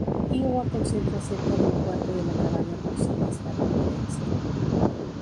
Iowa concentra cerca de un cuarto de la cabaña porcina estadounidense.